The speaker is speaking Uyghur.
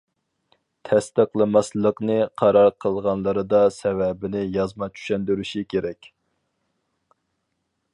تەستىقلىماسلىقنى قارار قىلغانلىرىدا سەۋەبىنى يازما چۈشەندۈرۈشى كېرەك.